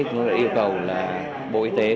tôi yêu cầu là bộ y tế